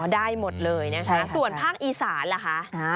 ได้หมดเลยนะคะส่วนภาคอีสานล่ะคะ